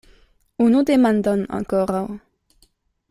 Unu demandon ankoraŭ.